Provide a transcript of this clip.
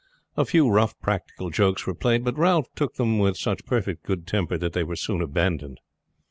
A few rough practical jokes were played; but Ralph took them with such perfect good temper that they were soon abandoned.